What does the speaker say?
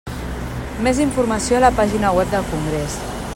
Més informació a la pàgina web del congrés.